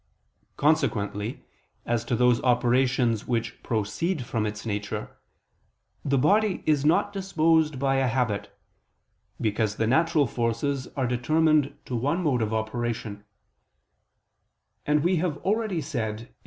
Consequently, as to those operations which proceed from its nature, the body is not disposed by a habit: because the natural forces are determined to one mode of operation; and we have already said (Q.